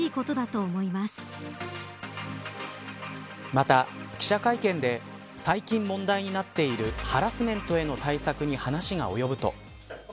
また、記者会見で最近問題になっているハラスメントへの対策に話が及ぶと。